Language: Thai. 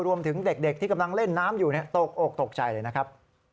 รวมถึงเด็กที่กำลังเล่นน้ำอยู่ตกอกตกใจเลยนะครับ